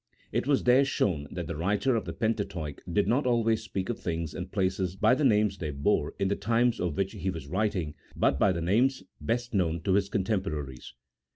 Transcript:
It was there shown that the writer of the Pentateuch did not always speak of things and places by the names they bore in the times of which he was writing, but by the names best known to his contemporaries.